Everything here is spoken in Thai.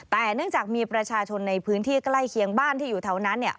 แต่เนื่องจากมีประชาชนในพื้นที่ใกล้เคียงบ้านที่อยู่แถวนั้น